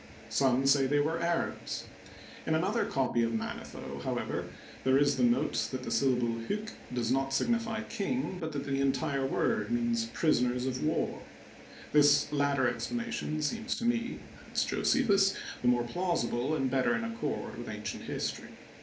Some say they were Arabs. In another copy of Manetho, however, there is the note that the syllable hyk does^not Digitized byCjOOQlC THE HYKSOS DOMINATION, 63 signify * king,* but that the entire word signifies * prison ers of war.' This latter explanation seems to me,'* adds Josephus, " the more plausible and better in accord with ancient history."